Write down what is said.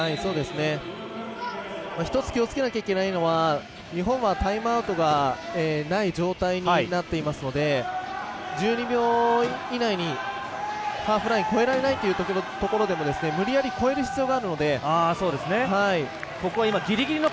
１つ気をつけなきゃいけないのは日本は、タイムアウトがない状態になっていますので１２秒以内にハーフラインを越えられないところでも無理やり越える必要があるので。